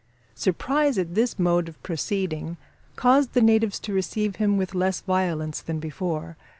Surprise at this mode of proceeding caused the natives to receive him with less violence than before.